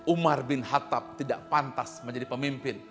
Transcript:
umar bin hatab tidak pantas menjadi pemimpin